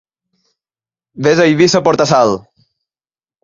Ves a Eivissa a portar sal!